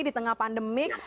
di tengah pandemik